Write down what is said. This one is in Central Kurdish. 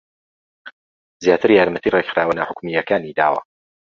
زیاتر یارمەتی ڕێکخراوە ناحوکمییەکانی داوە